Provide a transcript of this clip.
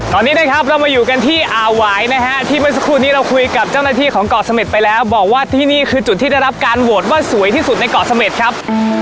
ตอนนี้นะครับเรามาอยู่กันที่อ่าหวายนะฮะที่เมื่อสักครู่นี้เราคุยกับเจ้าหน้าที่ของเกาะเสม็ดไปแล้วบอกว่าที่นี่คือจุดที่ได้รับการโหวตว่าสวยที่สุดในเกาะเสม็ดครับ